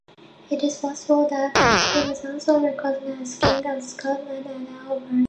It is possible that he was also recognised as king of Scotland or Alba.